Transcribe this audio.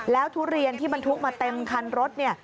แล้วทุเรียนที่บรรทุกมาเต็มคันรถเนี่ย